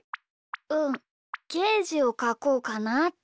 うんゲージをかこうかなって。